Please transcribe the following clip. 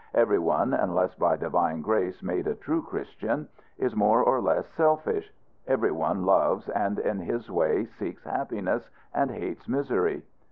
Every one, unless by divine grace made a true Christian, is more or less selfish. Every one loves, and, in his way, seeks happiness, and hates misery.